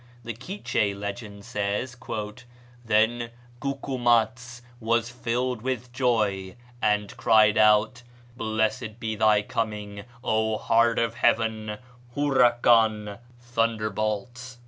The Quiche legend says, "Then Gucumatz was filled with joy, and cried out, 'Blessed be thy coming, O Heart of Heaven, Hurakan, thunder bolt.'"